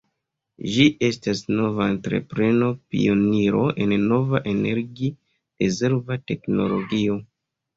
Ĝi estas nova entrepreno, pioniro en nova energi-rezerva teknologio.